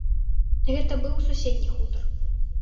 Гэта быў суседні хутар.